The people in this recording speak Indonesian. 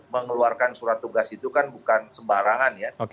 mengeluarkan surat tugas itu kan bukan sembarangan ya